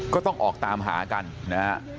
ก็ต้องออกตามหากันนะฮะ